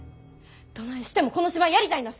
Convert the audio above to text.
どないしてもこの芝居やりたいんだす！